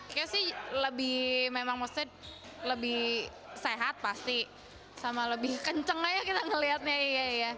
kayaknya sih memang lebih sehat pasti sama lebih kenceng aja kita ngelihatnya